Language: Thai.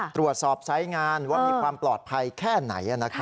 ตรวจสอบไซส์งานว่ามีความปลอดภัยแค่ไหน